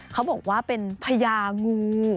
เขาบอกว่าเป็นพญางู